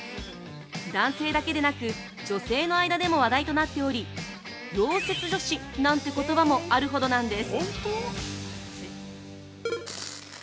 男性だけでなく、女性の間でも話題となっており溶接女子なんて言葉もあるほどなんです。